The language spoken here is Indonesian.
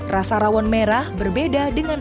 rasa rawon merah berbeda dengan